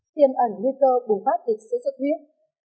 tiêm ẩn nguy cơ bùng phát tịch sữa giật huyết